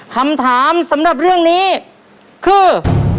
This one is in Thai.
คำถามสำหรับเรื่องนี้คือ